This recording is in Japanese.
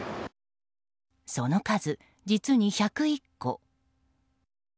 その数、実に１０１個。